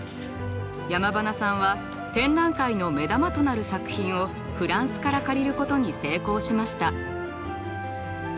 山塙さんは展覧会の目玉となる作品をフランスから借りることに成功しました。